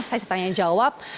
saya cita cita yang jawab